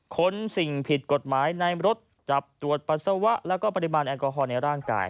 สิ่งผิดกฎหมายในรถจับตรวจปัสสาวะแล้วก็ปริมาณแอลกอฮอลในร่างกาย